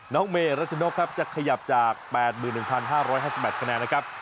เมรัชนกครับจะขยับจาก๘๑๕๕๘คะแนนนะครับ